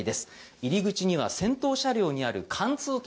入り口には先頭車両にある貫通扉。